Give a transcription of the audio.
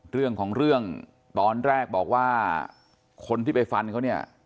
เรื่องของเรื่องตอนแรกบอกว่าคนที่ไปฟันเขาเนี่ย